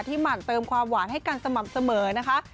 หมั่นเติมความหวานให้กันสม่ำเสมอนะคะ